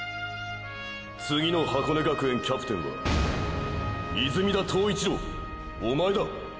次の箱根学園キャプテンは泉田塔一郎おまえだ！！